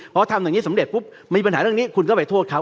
เพราะว่าทำแบบนี้สำเร็จปุ๊บมีปัญหาเรื่องนี้คุณก็ไปโทษเขา